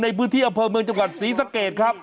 ในพื้นที่อำเภอเมืองจังหวัดศรีสะเกดครับ